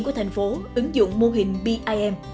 của thành phố ứng dụng mô hình bim